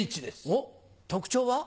おっ特徴は？